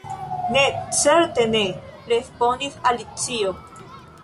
"Ne, certe ne!" respondis Alicio.